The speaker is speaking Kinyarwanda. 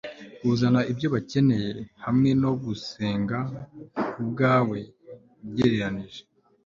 kuzana ibyo bakeneye hamwe no kugusenga kubwawe ugereranije